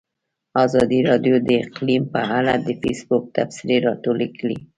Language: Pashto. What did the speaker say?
ازادي راډیو د اقلیم په اړه د فیسبوک تبصرې راټولې کړي.